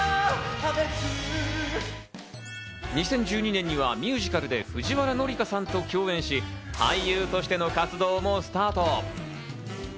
２０１２年にはミュージカルで藤原紀香さんと共演し、俳優としての活動もスタート。